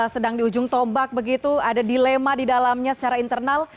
sedang di ujung tombak begitu ada dilema di dalamnya secara internal